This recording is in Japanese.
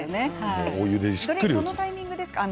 どのタイミングですか？